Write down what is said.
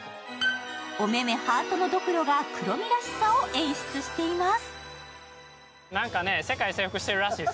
おめめハートのどくろがクロミらしさを演出しています。